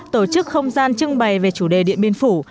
tổ chức không gian trưng bày về chủ đề điện biên phủ